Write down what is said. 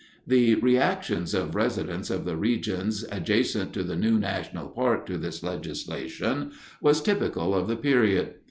The reactions of residents of the regions adjacent to the new national park to this legislation was typical of the period.